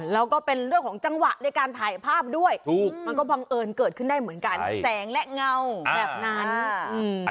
แล้วก็เป็นเรื่องของจังหวะในการถ่ายภาพด้วยถูกมันก็บังเอิญเกิดขึ้นได้เหมือนกันแสงและเงาแบบนั้นอืม